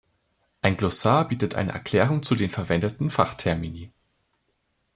Ein Glossar bietet eine Erklärung zu den verwendeten Fachtermini.